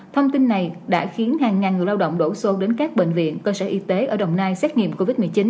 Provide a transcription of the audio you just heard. thông tin này đã khiến hàng ngàn người lao động đổ xô đến các bệnh viện cơ sở y tế ở đồng nai xét nghiệm covid một mươi chín